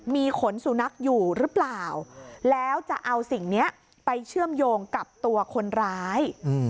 มีขนสุนัขอยู่หรือเปล่าแล้วจะเอาสิ่งนี้ไปเชื่อมโยงกับตัวคนร้าย